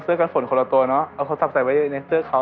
กันฝนคนละตัวเนอะเอาโทรศัพท์ใส่ไว้ในเสื้อเขา